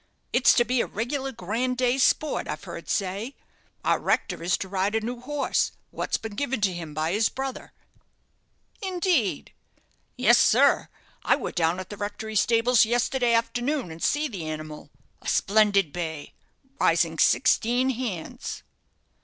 It's to be a reg'lar grand day's sport, I've heard say. Our rector is to ride a new horse, wot's been given to him by his brother." "Indeed!" "Yes, sir; I war down at the rectory stables yesterday arternoon, and see the animal a splendid bay, rising sixteen hands."